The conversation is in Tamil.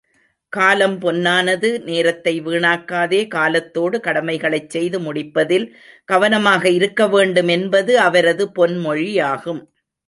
காலம் பொன்னானது, நேரத்தை வீணாக்காதே காலத்தோடு கடமைகளைச் செய்து முடிப்பதில் கவனமாக இருக்க வேண்டும் என்பது அவரது பொன்மொழியாகும்.